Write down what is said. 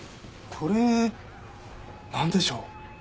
これなんでしょう？